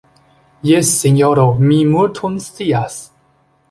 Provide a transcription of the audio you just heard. Jes, sinjoro, mi multon scias.